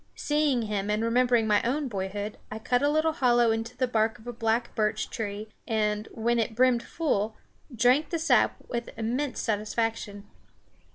Seeing him and remembering my own boyhood, I cut a little hollow into the bark of a black birch tree and, when it brimmed full, drank the sap with immense satisfaction.